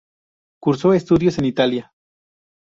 Cursó estudios en Italia.